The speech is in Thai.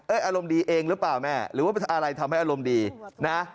อารมณ์ดีเองหรือเปล่าแม่หรือว่าอะไรทำให้อารมณ์ดีนะ